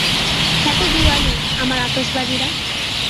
Happy Diwali আমার আতসবাজিরা।